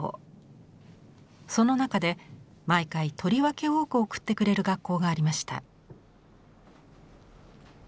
その中で毎回とりわけ多く送ってくれる学校がありました。